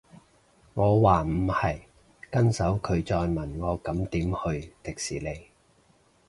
我話唔係，跟手佢再問我咁點去迪士尼